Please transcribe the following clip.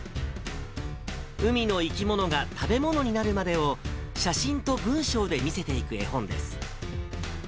海の生き物が食べ物になるまでを、写真と文章で見せていく絵本です。